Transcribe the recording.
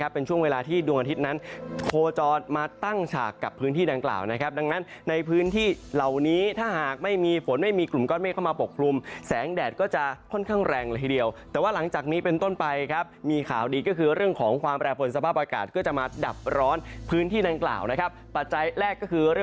เป็นช่วงเวลาที่ดวงอาทิตย์นั้นโคจรมาตั้งฉากกับพื้นที่ดังกล่าวนะครับดังนั้นในพื้นที่เหล่านี้ถ้าหากไม่มีฝนไม่มีกลุ่มก้อนเมฆเข้ามาปกคลุมแสงแดดก็จะค่อนข้างแรงเลยทีเดียวแต่ว่าหลังจากนี้เป็นต้นไปครับมีข่าวดีก็คือเรื่องของความแปรผลสภาพอากาศก็จะมาดับร้อนพื้นที่ดังกล่าวนะครับปัจจัยแรกก็คือ